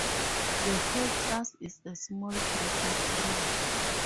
The whole class is a small group of three